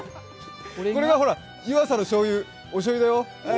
これが湯浅のおしょうゆだよ。